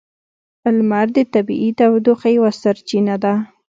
لمر د طبیعی تودوخې یوه سرچینه ده.